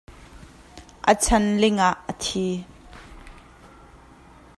A chan ling ah a thi.